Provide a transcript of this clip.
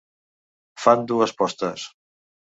Fan dues postes.